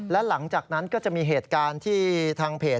และหลังจากนั้นก็จะมีเหตุการณ์ที่ทางเพจ